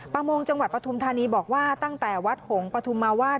ประมงจังหวัดปฐุมธานีบอกว่าตั้งแต่วัดหงษฐุมมาวาด